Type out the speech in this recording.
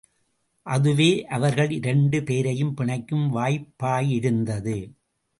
அதுவே அவர்கள் இரண்டு பேரையும் பிணைக்கும் வாய்ப்பாயிருந்தது.